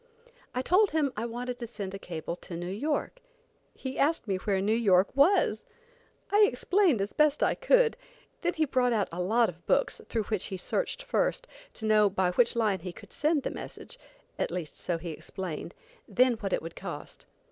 I told him I wanted to send a cable to New York. He asked me where New York was! I explained as best I could; then he brought out a lot of books, through which he searched first, to know by which line he could send the message; at least, so he explained; then what it would cost.